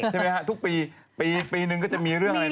ใช่ไหมฮะทุกปีปีนึงก็จะมีเรื่องอะไร